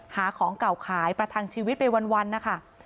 หาของเก่าขายประทังชีวิตไปวันนะคะ